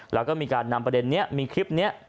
แล้วก็มีการนำประเด็นนี้มีคลิปนี้